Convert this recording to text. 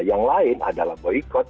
yang lain adalah boykot